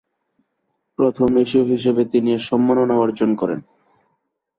প্রথম এশীয় হিসাবে তিনি এ সম্মান অর্জন করেন।